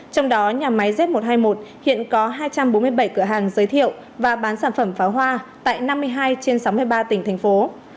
trong đó nhà máy z một trăm hai mươi một hiện có hai trăm bốn mươi bảy cửa hàng giới thiệu và bán sản phẩm pháo hoa tại năm mươi hai trên sáu mươi ba tỉnh thành phố